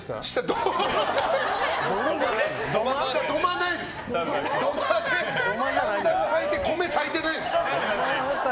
土間でサンダル履いて米炊いてないです。